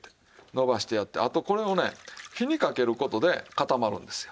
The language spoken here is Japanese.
のばしてやってあとこれをね火にかける事で固まるんですよ。